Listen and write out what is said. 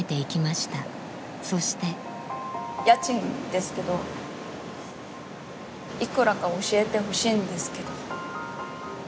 そして家賃ですけどいくらか教えてほしいんですけど。